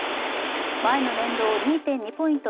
前の年度を２．２ポイント